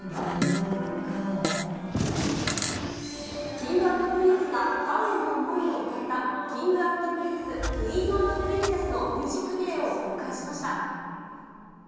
Ｋｉｎｇ＆Ｐｒｉｎｃｅが、ファンへの思いを歌った、Ｋｉｎｇ＆Ｐｒｉｎｃｅ，Ｑｕｅｅｎ＆Ｐｒｉｎｃｅｓｓのミュージックビデオを公開しました。